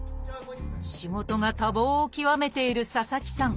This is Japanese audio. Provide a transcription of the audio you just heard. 仕事が多忙を極めている佐々木さん。